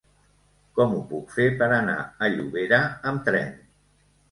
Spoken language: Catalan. Com ho puc fer per anar a Llobera amb tren?